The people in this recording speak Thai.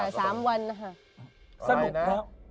เรื่อยไหมนะ